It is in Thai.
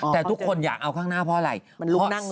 แต่ทุกคนอยากเอาข้างหน้าเพราะอะไร